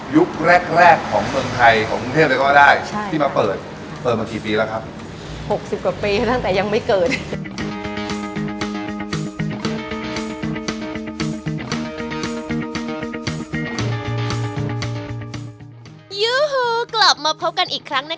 แรกแรกของเมืองไทยของกรุงเทพเลยก็ได้